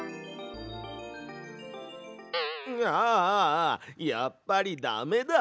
ああやっぱりダメだ！